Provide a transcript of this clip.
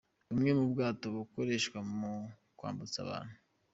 Bumwe mu bwato bukoreshwa mu kwambutsa abantu.